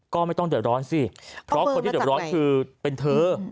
ก็ไม่ต้องเดือดร้อนสิเพราะคนที่เดือดร้อนคือเป็นเธอ